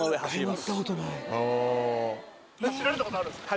走られた事あるんですか？